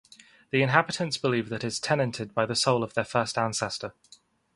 The inhabitants believe that it is tenanted by the soul of their first ancestor.